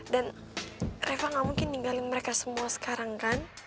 dan reva nggak mungkin ninggalin mereka semua sekarang kan